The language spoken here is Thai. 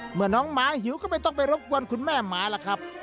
เมื่อน้องหมาหิวก็ไม่ต้องไปรบกวนคุณแม่หมาล่ะครับ